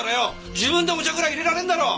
自分でお茶ぐらい淹れられんだろ！